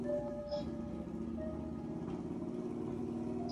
绕去买羽绒衣